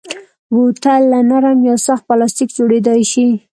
بوتل له نرم یا سخت پلاستیک جوړېدای شي.